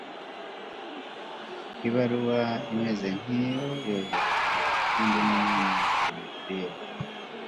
ibaruwa imeze nk'iyo yohererejwe kandi n'umwami demetiriyo